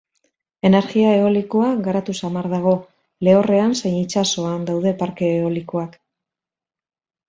Energia eolikoa garatu samar dago, lehorrean zein itsasoan daude parke eolikoak.